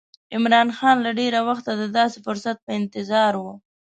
عمرا خان له ډېره وخته د داسې فرصت په انتظار و.